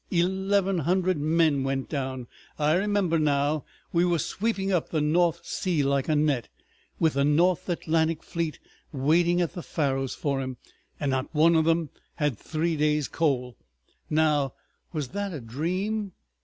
Eleven hundred men went down. ... I remember now. We were sweeping up the North Sea like a net, with the North Atlantic fleet waiting at the Faroes for 'em—and not one of 'em had three days' coal! Now, was that a dream?